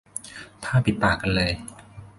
ผ้าปิดปากกันเลย